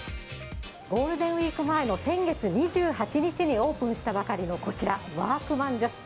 ゴールデンウィーク前の先月２８日にオープンしたばかりのこちら、ワークマン女子。